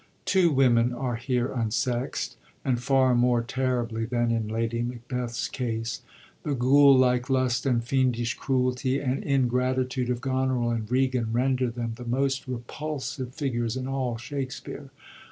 Two women are here unsext, and far more terribly than in Lady Mac beth's case. The ghoul like lust and fiendish cruelty and ingratitude of Goneril and Regan render them the most repulsive figures in all Shakspere.